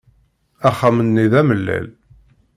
Axxam-nni d amellal.